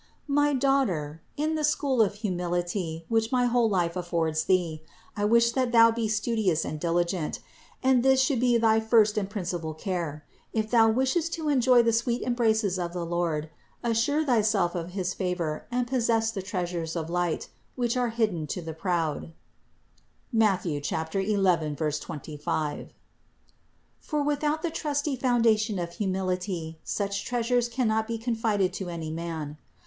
426. My daughter, in the school of humility, which my whole life affords thee, I wish that thou be studious and diligent; and this should be thy first and principal care, if thou wishest to enjoy the sweet embraces of the Lord, assure thyself of his favor and possess the treas ures of light, which are hidden to the proud (Matth. 11, 25). For without the trusty foundation of humility such treasures cannot be confided to any man.